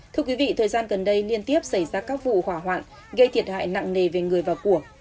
thưa quý vị thời gian gần đây liên tiếp xảy ra các vụ hỏa hoạn gây thiệt hại nặng nề về người và của